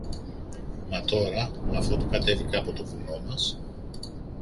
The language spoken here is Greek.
Μα τώρα, αφότου κατέβηκα από το βουνό μας